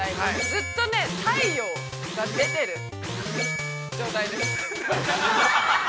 ずっと太陽が出ている状態です。